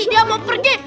dia mau pergi